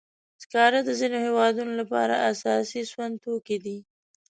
سکاره د ځینو هېوادونو لپاره اساسي سون توکي دي.